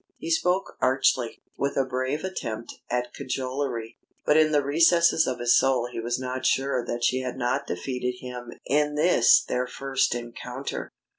He spoke archly, with a brave attempt at cajolery; but in the recesses of his soul he was not sure that she had not defeated him in this their first encounter.